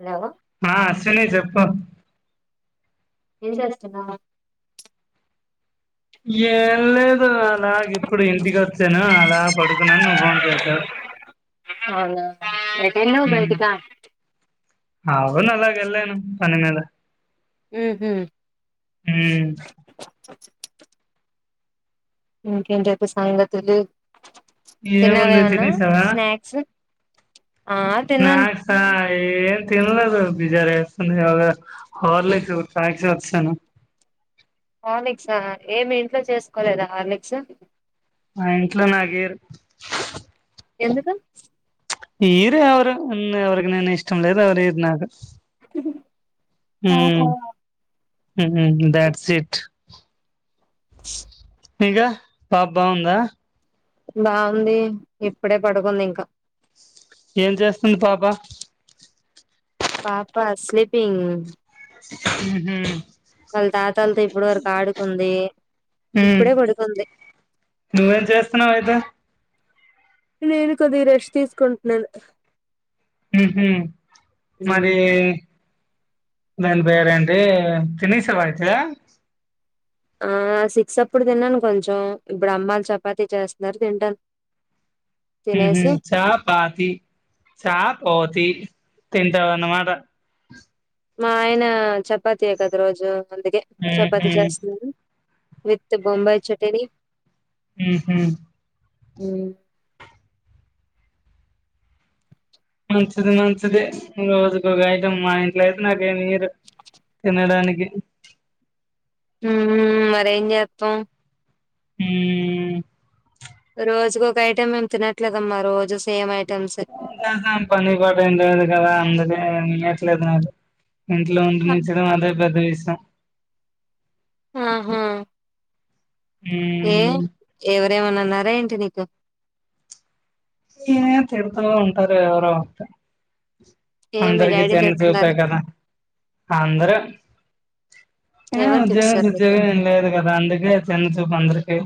Hello ఆ అశ్విని చెప్పు ఏం చేస్తున్నావ్ ఏం లేదు అలాగ ఇప్పుడు ఇంటికి వచ్చాను. అలా పడుకున్నాను నువ్వు ఫోన్ చేసావు. అవునా ఎటెళ్ళావ్ ఉమ్ బయటికా ఔను అలాగే వెళ్ళాను పని మీద ఉమ్ హూ ఉమ్, ఇంకేంటి అయితే సంగతులు ఏమంది తిన్నావేమన్నా తినేసావా స్నాక్స్ ఆ తిన్నాను స్నాక్సా ఏం తినలేదు బి జర వేస్తున్న యోగ హార్లీక్స్ తాగేసి వచ్చాను. హార్లిక్సా ఏమి ఇంట్లో చేసుకోలేదా హార్లిక్స్ ఆ ఇంట్లో నా కెయ్యరు ఎందుకు ఈరేవరు ఊరకనే నేను ఇష్టం లేదువరు నాకు ఆహా ఉమ్ దట్స్ ఇట్ [inaudible] ఇంకా పాప బాగుందా బాగుంది ఇప్పుడే పడుకుంది ఇంకా ఏం చేస్తుంది పాప పాపా స్లీపింగ్ ఉమ్ హు వాళ్ళ తాతాలతో ఇప్పుడు వరకు ఆడుకుంది ఉమ్, ఇప్పుడే పడుకుంది నువ్వేం చేస్తున్నావు అయితే నేను కొద్దిగా రెష్ తీసుకుంటున్నాను ఉమ్ మరి నన్ పేరేంటీ తినేసావా అయితే ఆ సిక్స్ అప్పుడు తిన్నాను కొంచెం ఇప్పుడు అమ్మలు చపాతి చేస్తున్నారు తింటాను ఉమ్ తినేసి చా పాతి చా పోతి తింటావాన్న మాట మా ఆయన చపాతీయ కదా రోజు అందుకే ఉహు చపాతి చేస్తున్నాను విత్ బొంబాయి చెక్కిడి ఉమ్ హు ఉమ్ మంచిది మంచిది రోజుకి ఒక ఐటమ్ మా ఇంట్లో అయితే నాకే మీరు తినడానికి ఉమ్ మరం చేత్తం ఉమ్ రోజుకు ఒక ఐటెం మేము తినట్లేదమ్మా రోజు సేమ్ ఐ నాన్నం పనిబడునుడు కదా ఎందుకే ఏం చేస్తాలే మాందు ఇంట్లో ఉంటనించడం అంటే పెద్ద విషయం ఆహా ఏ ఉమ్ ఎవరేమన్నారా ఏంటి నీక్ గా ఏ తిడుతా ఉంటారు ఎవరో ఒక ఏ మీ అందరికి డాడీ చిన్న చూపే తిడుతున్నారా కదా అందరు హు ఎవరు ఉద్యోగం తిట్టారు నీకు సుద్యోగం ఏం లేదు కదా అందుకే చిన్న చూపు అందరికి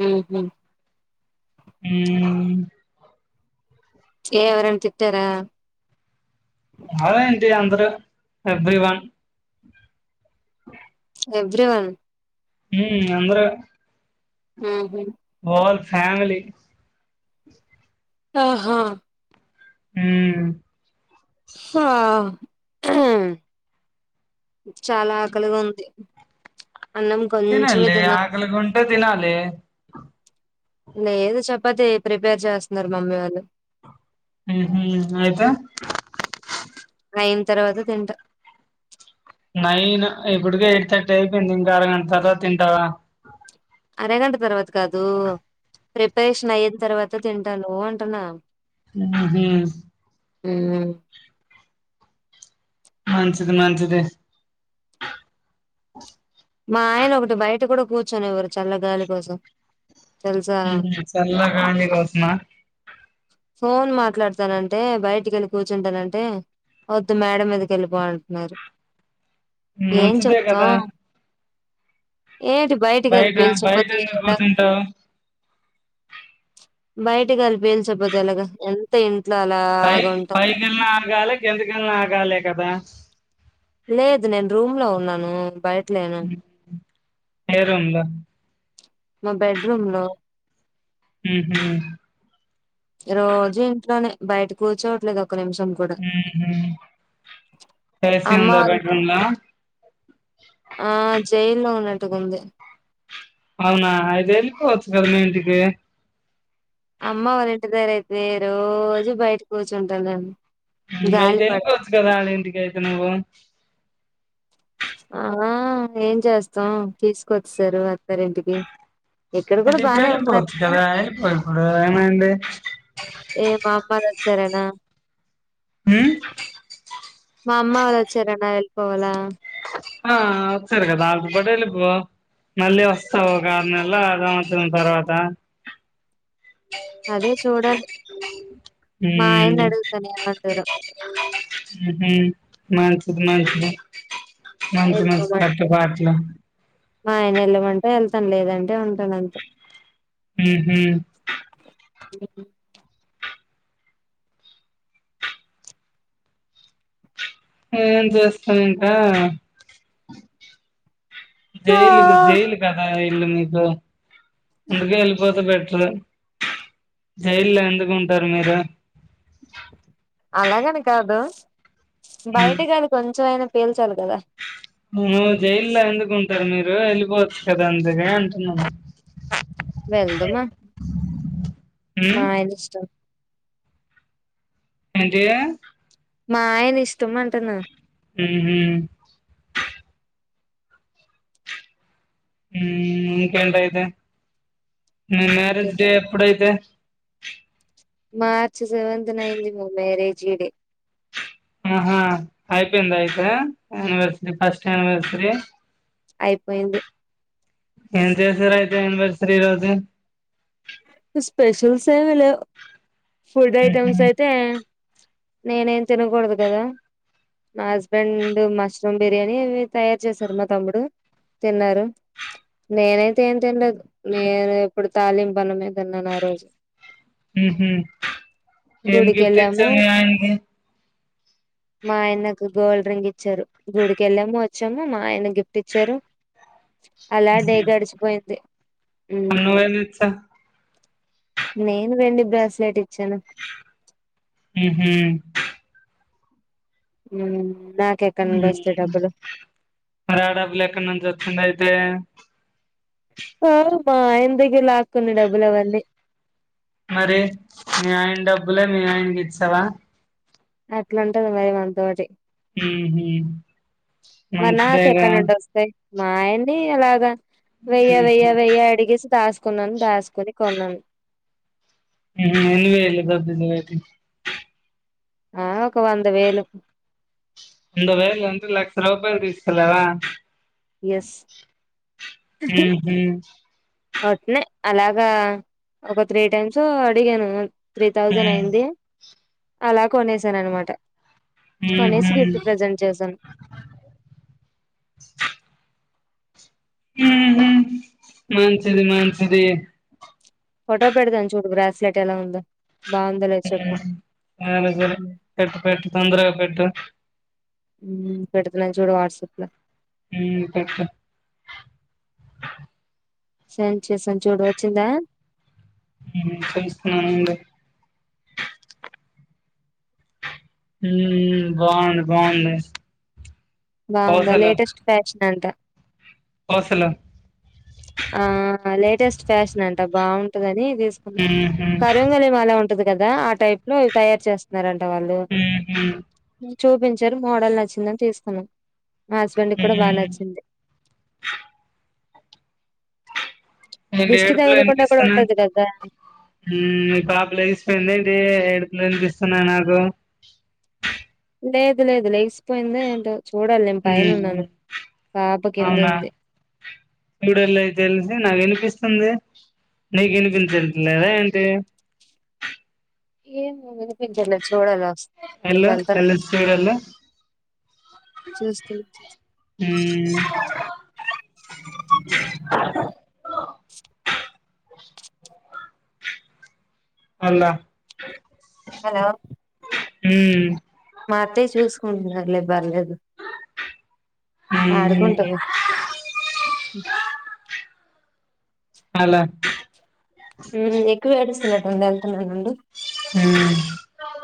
హుహు హు ఏ ఎవరైనా తిట్టారా అదే అండి అందరు ఎవ్రి వన్ ఎవ్రీ వన్ హు అంద్రు హుహు ఫ్యామిలీ ఓహో ఉ హా ఆహా చాలా ఆకలిగా ఉంది అన్నం కొంచెమే తినాలి తిన్నాను ఆకలింగుంటే తినాలి లేదు చప్పతే ప్రిపేర్ చేస్తున్నారు మమ్మీ వాళ్లు ఊహు అయితే అయిన తర్వాత తింటా దైయిపోయింది ఇంకా అరగంట తర్వాత తింటావా అరగంట తర్వాత కాదు ప్రిపరేషన్ అయినా తర్వాత తింటాను అంటున్నా హు హు మంచిది మంచిది మా ఆయన ఒకటి బయట కూడా కూర్చొనివరు చల్లగాలి కోసం తెలుసా. హు చల్ల గాలి కోసమా ఫోన్ మాట్లాడతానంటే బయటికి వెళ్లి కూర్చుంటానంటే వద్దు మేడ మీదకి వెళ్లిపోంటున్నారు హు మంచిదే కదా ఏంటి బయటికెళ్ళి బయట పీల్చకపోతే బయటెందుకు ఎలాగ కూర్చుంటావ్ బయటి గాలి పీల్చకపోతే ఎలాగ ఎంత ఇం పై పైకేలిన అ గాలే కిందికేలిన ఆగాలే కదా లేదు నేన్ రూమ్ లో ఉన్నాను బయట్ లేనాన్ పేరుందా మా బెడ్రూమ్ లో హుహు రోజు ఇంట్లోనే బయట కూర్చోవట్లేదు ఒక్క నిమిషం కూడా. ఊహు ఏసి అమ్మ ఉందా వాళ్ళ బెడ్రూంల ఆ జైల్లో ఉన్నట్టుగా ఉంది అవునా ఐతేఆలిపోవచుక కదా మీ ఇంటికి అమ్మ వాళ్ళ ఇంటి దర అయితే రోజు బయట కూర్చుంటుందడి అయితే వెళ్ళపోవచ్చు కదా ఇంటికైతే ఎ పో ఆ ఏం చేస్తాం తీసుకొచ్చసారు అత్తారి ఇంటికి అది ఇప్పుడాల పోతి కదయి ఇప్పుడు అనాే ఏ మా అమ్మ వచ్చారానా ఉమ్ మా అమ్మ వాలు ఆచరణ పోవాల ఆ వస్తారు కదా ఆకుపట వెళ్ళిపో మళ్ళీ వస్తావ ఒక కదు నెల అద వతు తర్వాత అదే చూడాలి హ మా ఆయన్ని ఊహు అడుగుతాను ఏమంటారో మంచిది మంచిది మంచి మంచి వెళ్ళిపోమంటే కట్టుబాట్లు మా ఆయన ఎళ్ళమంటే ఎళ్తాను లేదంటే ఉంటాను అంతే. హ్మ్ హ్మ్ అ ఏం చేస్తాం ఇంకా ఆ జైలు జైలు కదా ఇగ మీకు అందుకే ఎళ్లిపోతే బెట జైల్లో ఎందుకుంటారు మీరు? అలాగని కాదు. బయట గాలి కొంచెంమయినా పీల్చాలి కదా నువ్వు జైల్లో ఎందుకు ఉంటు టారు మీరు వెళ్ళిపోవచ్చు కదా అందుకే అంటున్నాను. వెల్దుమ, ఉమ్ మాయన ఇష్టం. ఏంటి మాయన ఇష్టం అంటన్న ఉహు ఉమ్ ఇంకేంటయితే. ఉమ్ ఇంకే మ్యారేజ్ డే అప్పుడైతే. మార్చ్ సెవెంత్ నైన్త్ మ మ్యారేజీ డే ఆహా అయిపోయిందయితే, అనివర్సరీ ఫస్ట్ అనివర్సరీ. అయిపోయింది. ఏం చేసారయి యానివర్సరీ రోజు స్పెషల్ ఎం లేవ్ ఫుడ్ ఉహు ఐటమ్స్ అయితే నేనేం తినకూడదు కదా, నా హస్బెండ్ మష్రూమ్ బిర్యానీ ఇవి తయారు చేసారు, మా తమ్ముడు తిన్నారు. నేనైతే ఏం తిన్లేదు, నేను ఇప్పుడు తాలిం బలమేదన్నాను ఆ రోజు ఉహు ఏం గిఫ్ట్ గుడికెళ్ళాము ఇచ్చావ్ మీ ఆయనకి? మా ఆయనకు గోల్డ్ రింగ్ ఇచ్చారు, గుడికెళ్ళాము, వచ్చాము. మా ఆయన గిఫ్ట్ ఇచ్చారు. అలా డే గడిచిపోయింది. మరి ఉమ్, నువ్వేమిచ్చా నేను వెండి బ్రాస్లెట్ ఇచ్ ఉహు ఉమ్ హ్మ్ హారా డబ్బుల్ ఎక్కడ నుంచి వస్తుంద్ అయితే హోమ్ బాయ్ మా ఆయన దగ్గర లాక్కుంది డబ్బులు అవని మరి మీ ఆయన డబ్బులే మీ ఆయనకి ఇచ్చావా అట్లుంటది మరి మన్తోటి హ్మ్ హు మరి మంచిదేగా నాకెక్కడ నుండి వస్తాయి మా ఆయన్ని ఎలాగా వెయ్య ఉహు వెయ్య ఉహు వెయ్య అడిగేసి దాస్ కున్నాను దాసుకుని కోన్నాను [unintelligible] ఆ ఒక వంద వేలు అ వేలు వ లక్ష రూపాయదిలవా ఎస్ హ వట్నే అలాగా ఒక త్రీ టైమ్స్ అడిగాను త్రీ ఉ థౌజండ్ అయింది అలా కొనేసాను అనమాట ఉహు కనీసి గిఫ్ట్ ప్రజెంట్ చేశాను మంచించిది మంచించిది ఫోటో పెడదాను చూడు గ్రాస్లెట్ ఎలా ఉందో బాగుందో లేదో చెప్పు వర పెట్ పెట్ తొందరగా పెట్ పెడుతులంచిూడ వాట్సాప్ లో పెప్ప సం చేసాం చూడు వచ్చిందా చేస్తున్నానుడి బాగుడి బాగుడి బాగుందా లేటెస్ట్ ఫ్యాషన్ అంతా కోసలు ఆ లేటెస్ట్ ఫ్యాషన్ అంట బాగుంటదని తీసుకున్నా ఉహు కరంగలి మాల ఉంటది కదా ఆ టైప్ లో తయారు చేస్తున్న ట వాళ్ళు ఉహు చూపించారు మోడల్ నచ్చిందని తీసుకున్నాం మా హస్బెండ్ కి కూడా బాగా హ్మ్ నచ్చింది ఏంటి దిష్టి ఏడుపులు తగలకుండా కూడా వినిపిస్తున్నాయి ఉంటది కదా మ్మ్ మీ పాప లేసిపోయిందా ఏంటి ఏడు వినిపిస్తున్నాయి నాకు లేదు లేదు లేసిపోయింది ఏంటో చూడాలి నేను పైన హుమ్ ఉన్నాను పాప కింద అవునా ఉంది చూడల అయి తెలిసి నాకు వినిపిస్త సందే నీకు వినిపించించట్లేదా ఏంటి ఏమీ వినిపించల చూడాల హలో చూస్తున్నా చూస్తున్నా. అలాా హలో హుమ్మ్ మాత్తే చూసుకుంటున్నారులే బర్లేదు హ్మ్ ఆడుకుంటారు అలా ఎక్కువ ఏడుస్తున్నట్టుంది అల్ ఎ ర అండి అ